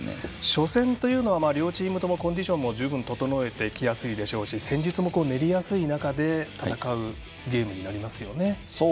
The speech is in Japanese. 初戦は、両チームともコンディションも十分整えてきやすいでしょうし戦術も練りやすい中でそうですね。